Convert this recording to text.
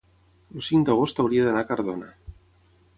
el cinc d'agost hauria d'anar a Cardona.